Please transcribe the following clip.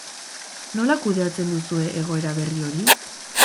Nola kudeatzen duzue egoera berri hori?